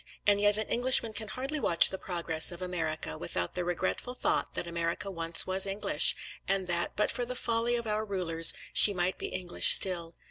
And yet an Englishman can hardly watch the progress of America, without the regretful thought that America once was English, and that, but for the folly of our rulers, she might be English still.